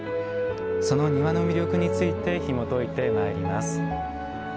その庭の魅力についてひもといてまいります。